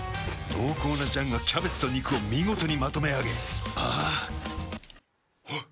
濃厚な醤がキャベツと肉を見事にまとめあげあぁあっ。